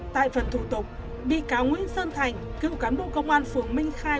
tại phần thủ tục bị cáo nguyễn sơn thành cựu cán bộ công an phường minh khai